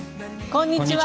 こんにちは。